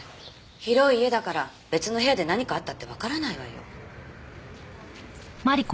広い家だから別の部屋で何かあったってわからないわよ。